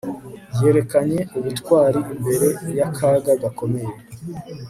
Yerekanye ubutwari imbere yakaga gakomeye